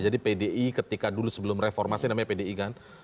jadi pdi ketika dulu sebelum reformasi namanya pdi kan